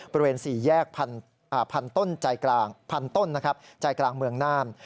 ประเมิน๔แยกพันต้นใจกลางเมืองน่าน